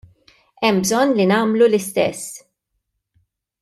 Hemm bżonn li nagħmlu l-istess.